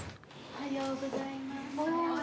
おはようございます。